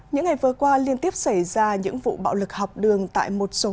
những ngày vừa qua liên tiếp xảy ra những vụ bạo lực học đường tại bộ chính trị và quốc hội